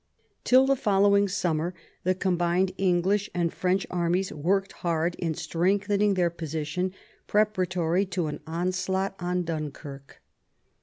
Till the following summer the combined English and French armies worked hard in strengthening their position, preparatory to an onslaught on Dunkirk.